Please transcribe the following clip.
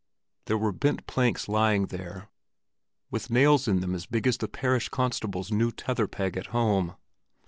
There were bent planks lying there, with nails in them as big as the parish constable's new tether peg at home.